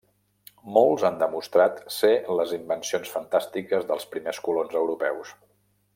Molts han demostrat ser les invencions fantàstiques dels primers colons europeus.